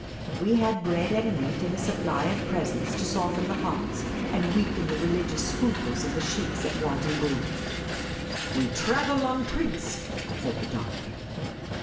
We had bread and meat, and a supply of presents to soflen the hearts and weaken the religious scruples of the sheikhs at Wadi Bou. " We thravel en prince,''' said the Doctor.